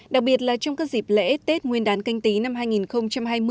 đặc biệt là trong các dịp lễ tết nguyên đán canh tí năm hai nghìn hai mươi